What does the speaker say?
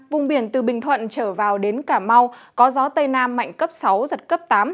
vùng biển từ bình thuận trở vào đến cà mau có gió tây nam mạnh cấp sáu giật cấp tám